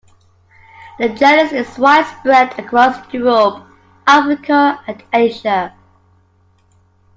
The genus is widespread across Europe, Africa, and Asia.